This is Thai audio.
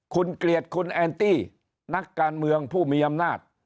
คุณเกลียดคุณแอนตี้นักการเมืองผู้มีอำนาจ